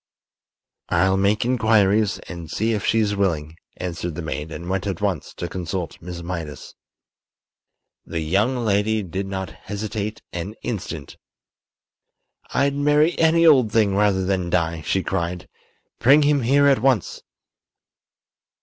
"I'll make inquiries and see if she's willing," answered the maid, and went at once to consult Miss Mydas. The young lady did not hesitate an instant. "I'd marry any old thing rather than die!" she cried. "Bring him here at once!"